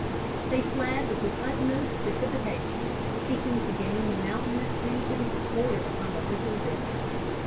They fled with the utmost precipitation, seeking to gain the mountainous region which bordered upon the Licking River.